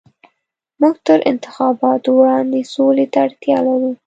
موږ تر انتخاباتو وړاندې سولې ته اړتيا لرو.